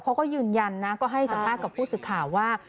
เขาก็ยืนยันนะก็ให้สัมภาษณ์กับผู้สื่อข่าวว่า